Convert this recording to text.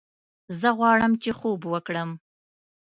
زه غواړم چې خوب وکړم